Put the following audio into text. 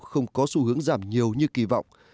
không có xu hướng giảm nhiều như kỳ vọng